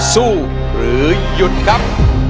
สู้หรือหยุดครับ